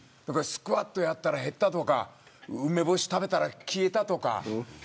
スクワットやったら減ったとか梅干し食べたら消えたとか。